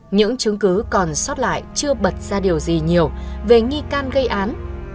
những chứng cứ còn sót lại chưa bật ra điều gì nhiều về nghi can gây án